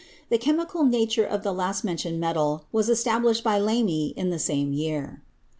The chemical nature of the last mentioned metal was established by Lamy in the same year.